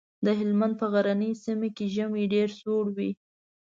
د هلمند په غرنۍ سيمه کې ژمی ډېر سوړ وي.